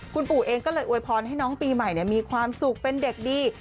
คุณปู่เองก็เลยอวยพรให้น้องปีใหม่มีความสุขเป็นเด็กดี